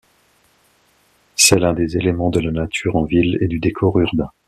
C'est l'un des éléments de la nature en ville et du décor urbain.